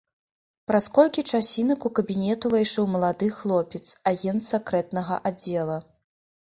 Праз колькі часінак у кабінет увайшоў малады хлопец, агент сакрэтнага аддзела.